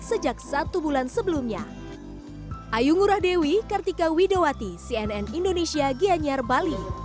sejak satu bulan sebelumnya